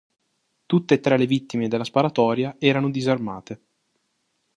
Tutte e tre le vittime della sparatoria erano disarmate.